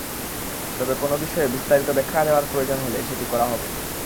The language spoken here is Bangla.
তবে কোনো বিষয়ে বিস্তারিত ব্যাখ্যা দেওয়ার প্রয়োজন হলে সেটি করা হবে।